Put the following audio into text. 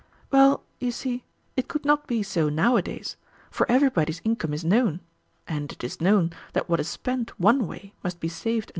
"Well, you see, it could not be so nowadays; for everybody's income is known, and it is known that what is spent one way must be saved another."